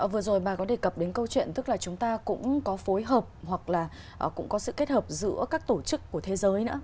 vừa rồi bà có đề cập đến câu chuyện tức là chúng ta cũng có phối hợp hoặc là cũng có sự kết hợp giữa các tổ chức của thế giới nữa